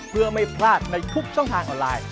เพื่อไม่พลาดในทุกช่องทางออนไลน์